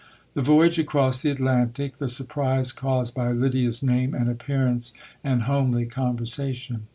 The voyage across the Atlantic; the surprise caused by Lydia's name and appearance, and homely conversation.